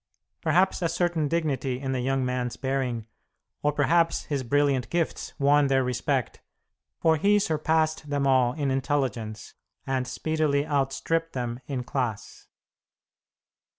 Perhaps a certain dignity in the young man's bearing, or perhaps his brilliant gifts, won their respect, for he surpassed them all in intelligence, and speedily outstripped them in class.